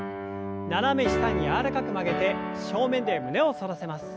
斜め下に柔らかく曲げて正面で胸を反らせます。